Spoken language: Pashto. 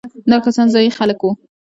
دا کسان ځايي خلک وو.